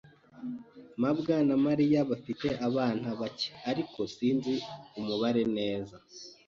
mabwa na Mariya bafite abana bake, ariko sinzi neza umubare.